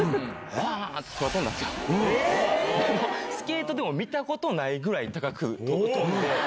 スケートでも見たことないぐらい高く跳んで。